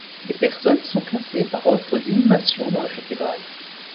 Les personnes sont classées par ordre d'inhumation dans la cathédrale.